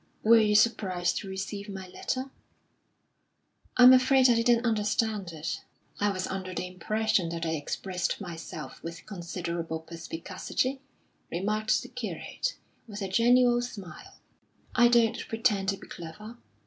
"Were you surprised to receive my letter?" "I'm afraid I didn't understand it." "I was under the impression that I expressed myself with considerable perspicacity," remarked the curate, with a genial smile. "I don't pretend to be clever."